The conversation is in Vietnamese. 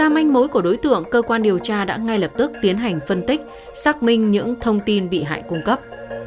để tìm ra manh mối của đối tượng cơ quan điều tra đã ngay lập tức tiến hành phân tích xác minh những thông tin bị hại cung cấp